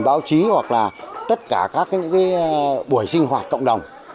báo chí hoặc là tất cả các cái những cái buổi sinh hoạt cộng đồng